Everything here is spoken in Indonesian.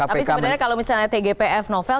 tapi sebenarnya kalau misalnya tgpf novel